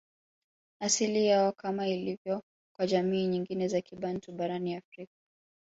Asili yao Kama ilivyo kwa jamii nyingine za Kibantu barani Afrika